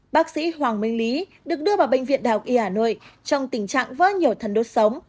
bác sĩ hoàng minh lý được đưa vào bệnh viện đào y hà nội trong tình trạng vỡ nhiều thần đốt sống